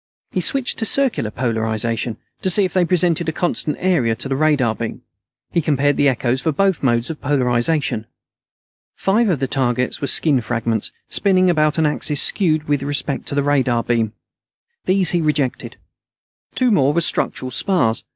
He switched to circular polarization, to see if they presented a constant area to the radar beam. He compared the echoes for both modes of polarization. Five of the targets were skin fragments, spinning about an axis skewed with respect to the radar beam. These he rejected. Two more were structural spars.